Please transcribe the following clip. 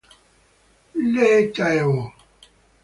Lee Tae-ho